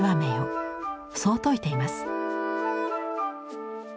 そう説いています。